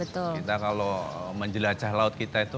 kita kalau menjelajah laut kita itu